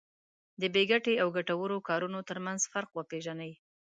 د بې ګټې او ګټورو کارونو ترمنځ فرق وپېژني.